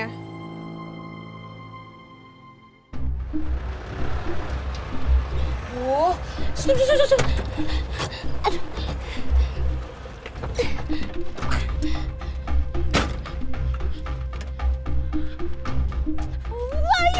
aduh susun susun susun